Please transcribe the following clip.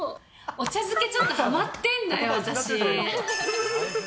お茶漬け、ちょっとはまってんのよ、私。